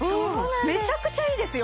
めちゃくちゃいいですよ